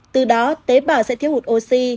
từ đó tế bào sẽ thiếu hụt oxy